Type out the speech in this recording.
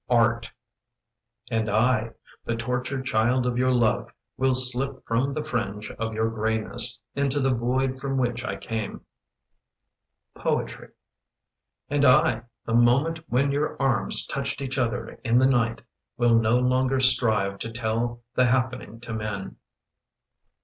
Art And I, the tortured child of your love, Will slip from the fringe of your grayness Into the void from which I came. Poetry And I, the moment when your arms Touched each other in the night, Will no longer strive To tell the happening to men.